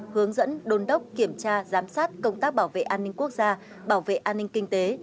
hướng dẫn đôn đốc kiểm tra giám sát công tác bảo vệ an ninh quốc gia bảo vệ an ninh kinh tế